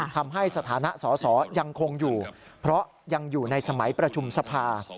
ทำให้สถานะสอสอยังคงอยู่เพราะยังอยู่ในสมัยประชุมสภา